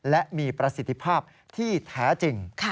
และมีประสิทธิภาพที่แท้จริง